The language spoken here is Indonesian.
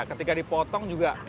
ketika dipotong juga